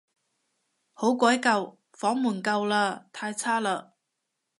好鬼舊，房門舊嘞，太差嘞